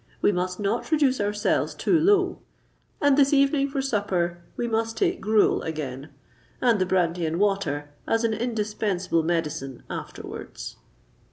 We must not reduce ourselves too low. And this evening, for supper, we must take gruel again—and the brandy and water as an indispensable medicine, afterwards."